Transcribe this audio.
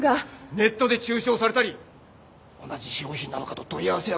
ネットで中傷されたり同じ商品なのかと問い合わせやクレームが来たり。